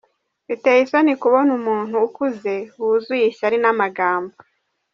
Biteye isoni kubona umuntu ukuze wuzuye ishyari n’amagambo!